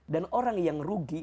dan orang yang rugi